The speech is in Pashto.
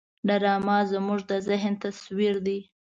ډرامه زموږ د ذهن تصویر دی